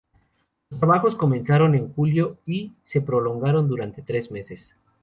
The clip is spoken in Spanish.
Los trabajos comenzaron en julio y se prolongaron durante tres meses.